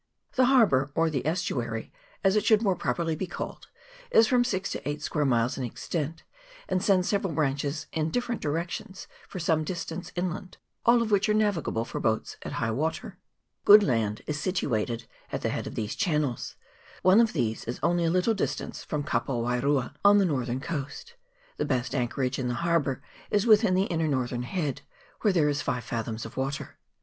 The harbour, or the estuary, as it should more properly be called, is from six to eight square miles in extent, and sends several branches in different directions for some distance inland, all of which are navigable for boats at high water. Good land is situated at the head of these channels ; one of these is only a little distance from Ka po wairua on the northern coast. The best anchorage in the harbour is within the inner northern head, where there is five fathoms water.